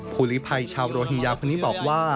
หลีภัยชาวโรฮิงญาคนนี้บอกว่า